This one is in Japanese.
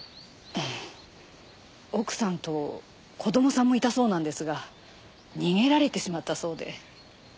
ええ奥さんと子供さんもいたそうなんですが逃げられてしまったそうで。